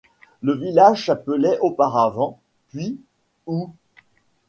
Le village s'appelait auparavant ', puis ' ou '.